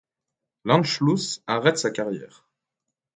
L'Anschluss arrête sa carrière.